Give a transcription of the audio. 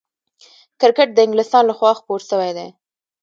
کرکټ د انګلستان له خوا خپور سوی دئ.